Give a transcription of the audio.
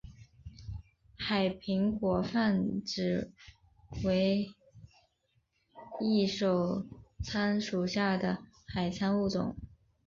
海苹果泛指伪翼手参属下的海参物种。